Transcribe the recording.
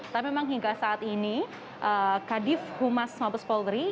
tapi memang hingga saat ini kadif humas mabes polri